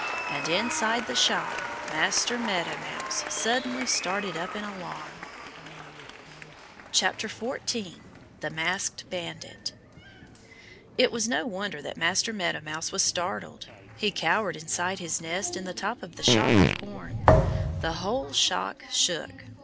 And inside the shock Master Meadow Mouse suddenly started up in alarm. 14 The Masked Bandit IT was no wonder that Master Meadow Mouse was startled. He cowered inside his nest in the top of the shock of corn. The whole shock shook.